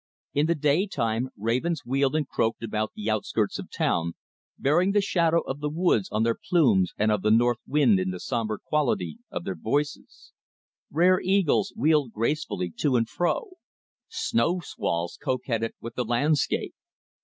In the daytime ravens wheeled and croaked about the outskirts of the town, bearing the shadow of the woods on their plumes and of the north wind in the somber quality of their voices; rare eagles wheeled gracefully to and fro; snow squalls coquetted with the landscape.